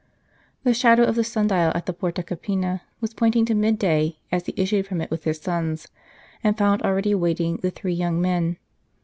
The shadow of the sun dial at the Porta Capena was pointing to mid day, as he issued from it with his sons, and found already waiting the three young men.